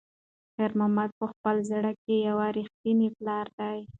خیر محمد په خپل زړه کې یو رښتینی پلار دی.